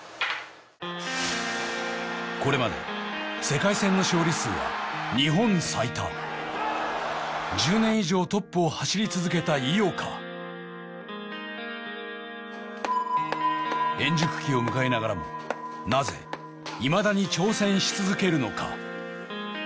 これまで世界戦の勝利数は日本最多１０年以上トップを走り続けた井岡円熟期を迎えながらもなぜいまだに挑戦し続けるのか？